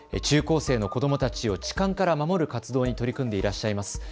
中高生の子どもたちを痴漢から守る活動に取り組んでいらっしゃいます